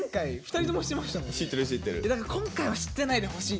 だから今回は知ってないでほしい。